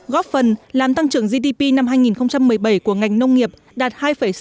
góp phần làm tăng trưởng gdp năm hai nghìn một mươi bảy của ngành nông nghiệp đạt hai sáu mươi